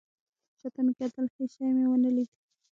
شاته مې وکتل. هیڅ شی مې ونه لید